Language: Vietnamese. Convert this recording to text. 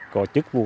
có chức vô gáo